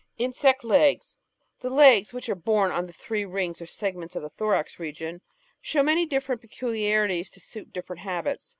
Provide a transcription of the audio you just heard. Insects* Legs The legs, which are borne on the three rings or segments of the thorax region, show many different peculiarities to suit differ ent habits.